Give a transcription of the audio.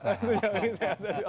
sejauh ini sehat